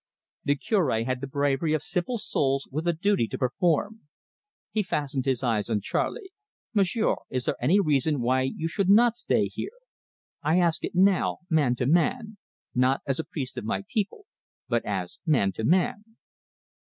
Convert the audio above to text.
The Cure had the bravery of simple souls with a duty to perform. He fastened his eyes on Charley. "Monsieur, is there any reason why you should not stay here? I ask it now, man to man not as a priest of my people, but as man to man."